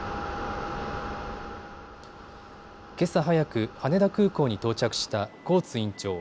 けさ早く羽田空港に到着したコーツ委員長。